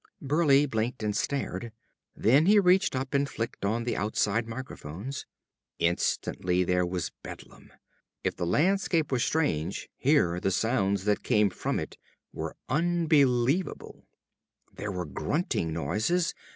Burleigh blinked and stared. Then he reached up and flicked on the outside microphones. Instantly there was bedlam. If the landscape was strange, here, the sounds that came from it were unbelievable. There were grunting noises.